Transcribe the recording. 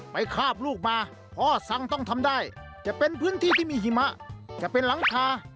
คาบลูกมาพ่อสั่งต้องทำได้จะเป็นพื้นที่ที่มีหิมะจะเป็นหลังคา